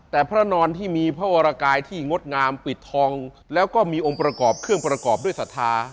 แต่พระนอนที่มีพระวรกายที่งดงามปิดทองแล้วก็มีองค์ประกอบเครื่องประกอบด้วยศรัทธา